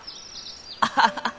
アハハハ！